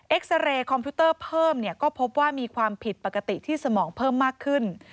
ซาเรย์คอมพิวเตอร์เพิ่มเนี่ยก็พบว่ามีความผิดปกติที่สมองเพิ่มมากขึ้น